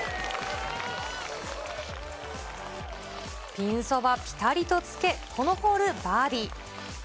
ピンそばぴたりとつけ、このホール、バーディー。